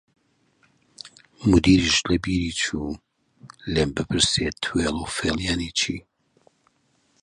مودیریش لە بیری چوو لێم بپرسێ توێڵ و فێڵ یانی چی؟